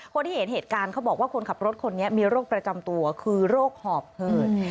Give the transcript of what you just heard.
คนที่เห็นเหตุการณ์เขาบอกว่าคนขับรถคนนี้มีโรคประจำตัวคือโรคหอบเหิด